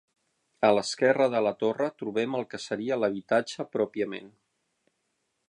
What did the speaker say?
A l’esquerra de la torre trobem el que seria l’habitatge pròpiament.